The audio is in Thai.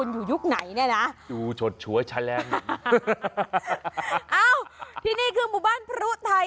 ยุคไหนเนี่ยนะดูชดชัวชะแรมเอ้าที่นี่คือหมู่บ้านพรุไทย